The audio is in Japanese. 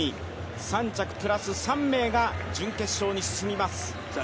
３着プラス３名が準決勝に進みます。